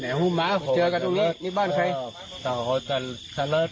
เจอกันตรงไหนเจอกันตรงนี้นี่บ้านใคร